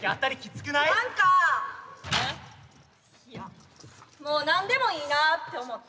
いやもう何でもいいなあって思って。